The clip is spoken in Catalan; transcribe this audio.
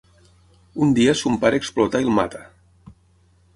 Un dia son pare explota i el mata.